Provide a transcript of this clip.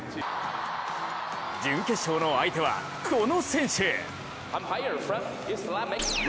準決勝の相手はこの選手。